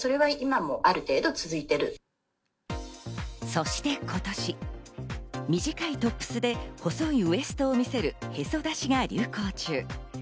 そして今年、短いトップスで細いウエストを見せる、へそ出しが流行中。